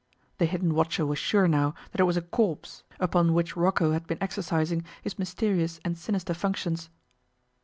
The hidden watcher was sure now that it was a corpse upon which Rocco had been exercising his mysterious and sinister functions.